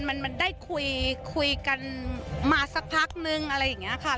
มันได้คุยกันมาสักพักนึงอะไรอย่างนี้ค่ะ